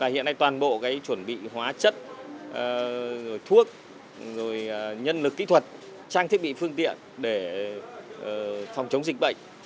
hiện nay toàn bộ chuẩn bị hóa chất thuốc nhân lực kỹ thuật trang thiết bị phương tiện để phòng chống dịch bệnh